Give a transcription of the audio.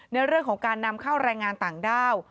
ในเรื่องของการนำเข้าแรงงานต่างด้าว